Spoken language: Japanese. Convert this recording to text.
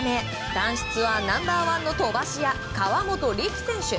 男子ツアーナンバー１の飛ばし屋河本力選手。